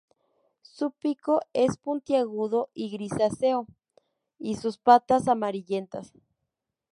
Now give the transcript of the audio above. Su pico es puntiagudo y grisáceo, y sus patas amarillentas.